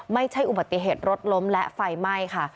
ไม่ใช่อุบัติเหตุรถล้มและไฟไหม้ค่ะ